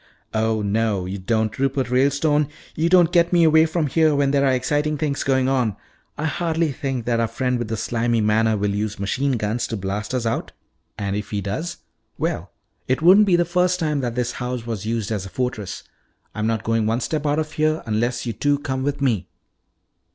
"Oh, no you don't, Rupert Ralestone! You don't get me away from here when there are exciting things going on. I hardly think that our friend with the slimy manner will use machine guns to blast us out. And if he does well, it wouldn't be the first time that this house was used as a fortress. I'm not going one step out of here unless you two come with me."